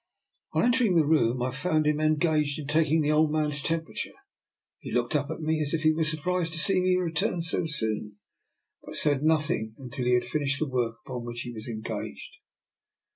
On entering the room, I found him en gaged in taking the old man's temperature. He looked up at me as if he were surprised to see me return so soon, but said nothing until he had finished the work upon which he was engaged.